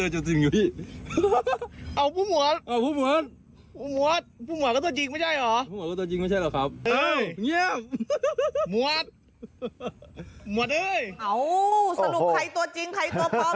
เฮ้ยเงียบหมวดหมวดเฮ้ยเอ้าสรุปใครตัวจริงใครตัวพร้อมกันแน่เนี้ย